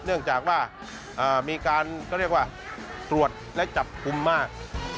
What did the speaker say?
เนื่องจากว่ามีการรวดและจับคุมมาก